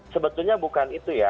sebetulnya bukan itu ya